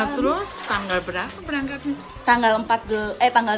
terus tanggal berapa berangkatnya